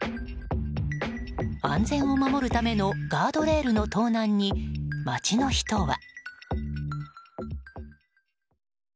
安全を守るためのガードレールの盗難に、街の人は。